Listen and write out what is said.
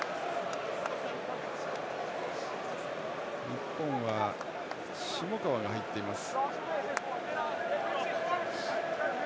日本は下川が入っています。